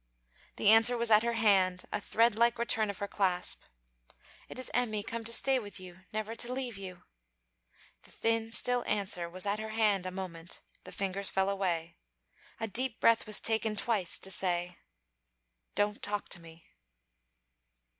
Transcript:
The answer was at her hand, a thread like return of her clasp. 'It is Emmy come to stay with you, never to leave you.' The thin still answer was at her hand a moment; the fingers fell away. A deep breath was taken twice to say: 'Don't talk to me.'